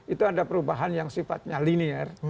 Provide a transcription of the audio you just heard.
itu ada perubahan yang sifatnya linier